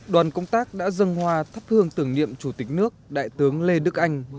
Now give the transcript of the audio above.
đoàn công tác đã dâng hòa thắp hương tưởng niệm chủ tịch nước đại tướng lê đức anh